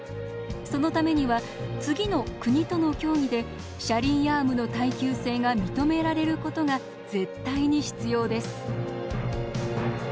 そのためには次の国との協議で車輪アームの耐久性が認められることが絶対に必要です。